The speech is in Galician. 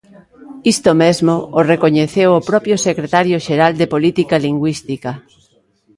Isto mesmo o recoñeceu o propio secretario xeral de Política Lingüística.